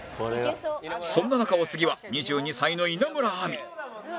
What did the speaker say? そんな中お次は２２歳の稲村亜美